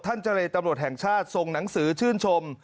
เจรตำรวจแห่งชาติส่งหนังสือชื่นชม